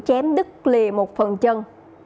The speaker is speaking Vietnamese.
chém đứt lìa một phần chân